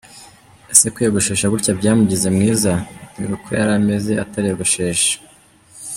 Ese kwiyogoshesha gutya byamugize mwiza? Dore uko yari ameze atariyogoshesha.